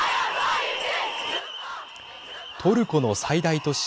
トルコの最大都市